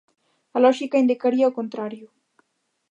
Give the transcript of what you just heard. A lóxica indicaría o contrario.